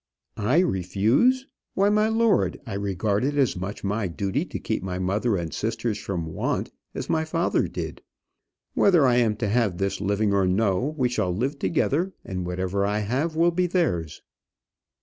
"I refuse! why, my lord, I regard it as much my duty to keep my mother and sisters from want as my father did. Whether I am to have this living or no, we shall live together; and whatever I have will be theirs."